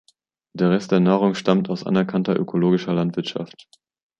Der Rest der Nahrung stammt aus anerkannter ökologischer Landwirtschaft.